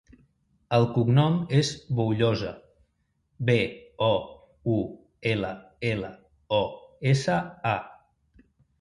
El cognom és Boullosa: be, o, u, ela, ela, o, essa, a.